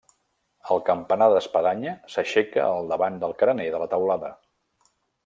El campanar d'espadanya s'aixeca al davant del carener de la teulada.